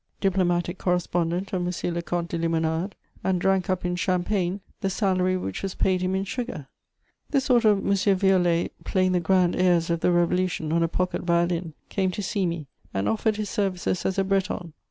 diplomatic correspondent of M. le Comte de "Limonade," and drank up in champagne the salary which was paid him in sugar. This sort of M. Violet playing the grand airs of the Revolution on a pocket violin came to see me, and offered his services as a Breton.